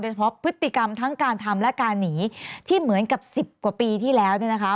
เฉพาะพฤติกรรมทั้งการทำและการหนีที่เหมือนกับสิบกว่าปีที่แล้วเนี่ยนะคะ